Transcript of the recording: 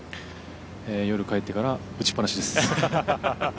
夜帰ってから打ちっぱなしです。